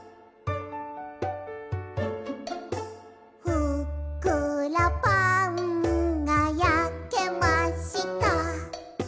「ふっくらパンが焼けました」